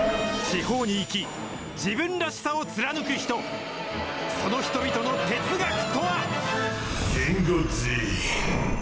地方に生き、自分らしさを貫く人、その人々の哲学とは。